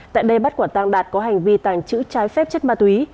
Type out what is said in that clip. tại đây bắt quả tang đạt có hành vi tàng trữ trái phép chất ma túy